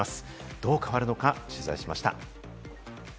どう変わるのか、取材しました。